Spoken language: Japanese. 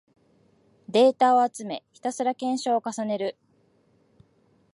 データを集め、ひたすら検証を重ねる